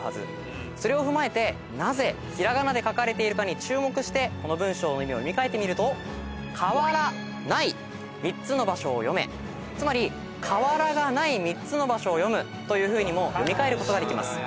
それを踏まえてなぜ平仮名で書かれているかに注目してこの文書の意味を読み替えてみると「瓦ない３つの場所を読め」つまり瓦がない３つの場所を読むというふうにも読み替えることができます。